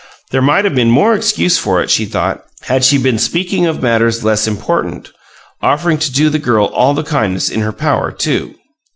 There might have been more excuse for it, she thought, had she been speaking of matters less important offering to do the girl all the kindness in her power, too!